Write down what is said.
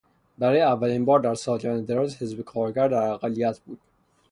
برای اولین بار در سالیان دراز حزب کارگر در اقلیت بود.